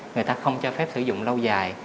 người ta không cho phép sử dụng lâu dài